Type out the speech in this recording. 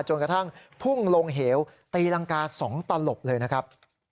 จนกระทั่งพุ่งลงเหวตีรังกา๒ตลบเลยนะครับ